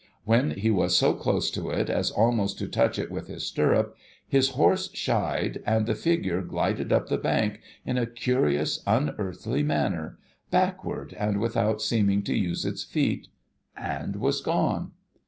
When he was so close to it, as almost to touch it with his stirrup, his horse shied, and the figure glided up the bank, in a curious, unearthly manner —• backward, and without seeming to use its feet — and was gone.